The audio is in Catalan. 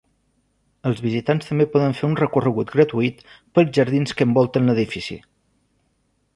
Els visitants també poden fer un recorregut gratuït pels jardins que envolten l'edifici.